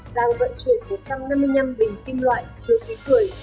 đang vận chuyển một trăm năm mươi năm bình kim loại chưa ký cười